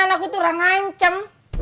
eh tenang aku tuh gak ngancam